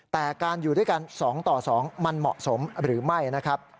แต่การอยู่ด้วยกัน๒ต่อ๒มันเหมาะสมหรือไม่นะครับ